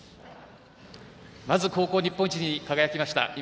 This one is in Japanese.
まず、高校日本一に輝きました。